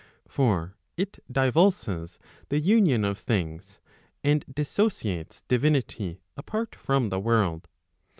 For it divulses the union of things, and dissociates divinity apart from the world.